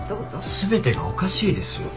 全てがおかしいですよ。